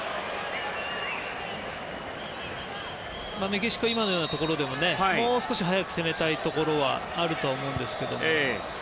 メキシコは今のようなところでももう少し早く攻めたいところがあると思いますが。